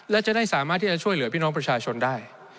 และจะได้สามารถที่จะช่วยเหลือพี่น้องประชาชนได้